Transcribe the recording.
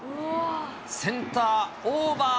センターオーバー。